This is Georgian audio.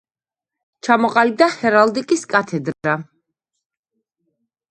ჩამოყალიბდა ჰერალდიკის კათედრა.